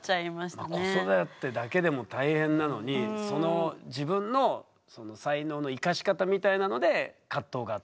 子育てだけでも大変なのにその自分の才能の生かし方みたいなので葛藤があったと。